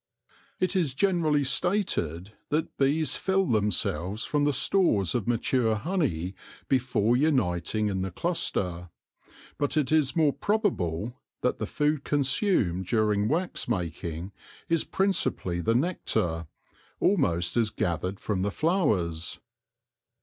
It is generally stated that bees fill themselves from the stores of mature honey before uniting in the cluster ; but it is more probable that the food consumed during wax making is principally the nectar, almost as gathered from the flowers.